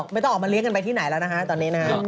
ไม่ต้องออกมาเลี้ยกันไปที่ไหนแล้วนะฮะตอนนี้นะฮะ